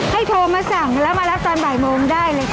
โทรมาสั่งแล้วมารับตอนบ่ายโมงได้เลยค่ะ